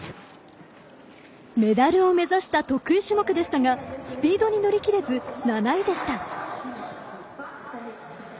メダルを目指した得意種目でしたがスピードに乗りきれず７位でした。